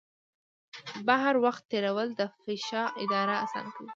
بهر وخت تېرول د فشار اداره اسانه کوي.